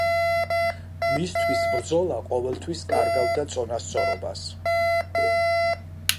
მისთვის ბრძოლა ყოველთვის კარგავდა წონასწორობას.